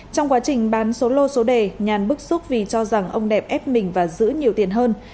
trong quá trình bán số lô số đề nhàn bức xúc vì cho rằng ông đẹp ép mình và giữ nhiều tiền hơn